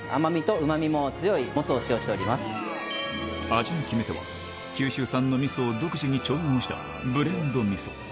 味の決め手は九州産のみそを独自に調合したブレンドみそ